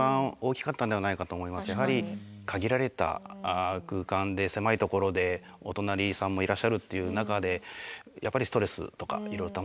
やはり限られた空間で狭いところでお隣さんもいらっしゃるっていう中でやっぱりストレスとかいろいろたまってくるんではないかなと思います。